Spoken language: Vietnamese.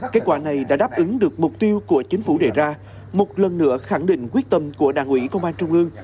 kết quả này đã đáp ứng được mục tiêu của chính phủ đề ra một lần nữa khẳng định quyết tâm của đảng ủy công an trung ương